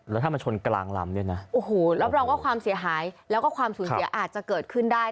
แล้วถ้ามาชนกลางลำเนี่ยนะโอ้โหรับรองว่าความเสียหายแล้วก็ความสูญเสียอาจจะเกิดขึ้นได้